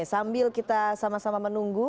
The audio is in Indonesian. sambil kita sama sama menunggu